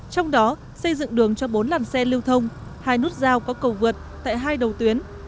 trong đó xây dựng đường cho bốn làn xe lưu thông hai nút giao có cầu vượt tại hai đầu tuyến